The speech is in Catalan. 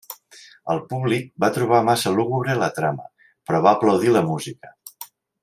El públic va trobar massa lúgubre la trama, però va aplaudir la música.